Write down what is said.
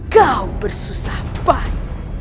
kau bersusah payah